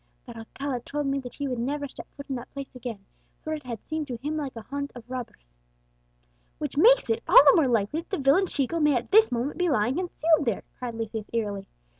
But Alcala has told me that he would never set foot in that place again, for that it had seemed to him like a haunt of robbers." "Which makes it all the more likely that the villain Chico may at this moment be lying concealed there!" cried Lucius eagerly.